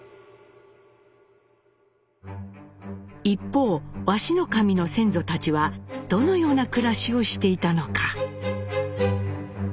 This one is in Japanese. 一方鷲神の先祖たちはどのような暮らしをしていたのか？